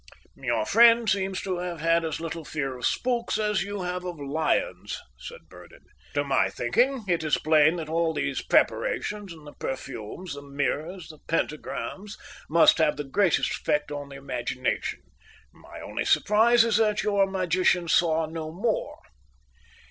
"Your friend seems to have had as little fear of spooks as you have of lions," said Burdon. "To my thinking it is plain that all these preparations, and the perfumes, the mirrors, the pentagrams, must have the greatest effect on the imagination. My only surprise is that your magician saw no more."